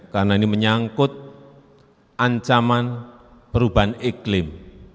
karena ini menyangkut ancaman perubahan iklim